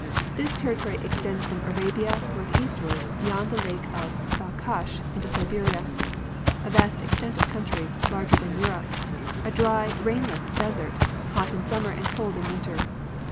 This territory extends from Arabia northeastward beyond the Lake of Balkash into Siberia, a vast extent of countr}^, larger than Europe — a dry, rainless desert, hot in summer and cold in winter.